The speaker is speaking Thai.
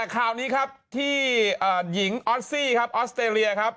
คราวนี้ครับที่หญิงออสซี่ครับออสเตรเลียครับ